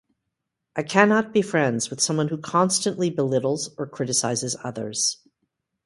I cannot be friends with someone who constantly belittles or criticizes others.